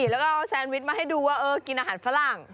แล้วก็เอาแซนวิชมาให้ดูว่ากินอาหารฝรั่ง